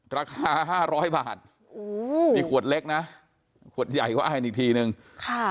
ราคาห้าร้อยบาทอืมนี่ขวดเล็กนะขวดใหญ่ก็อ่านอีกทีนึงค่ะ